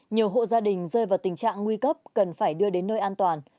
nhiều hộ gia đình rơi vào tình trạng nguy cấp cần phải đưa đến nơi an toàn